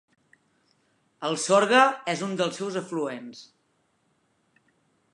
El Sorgue és un dels seus afluents.